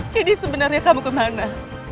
jadi sebenernya kamu kemana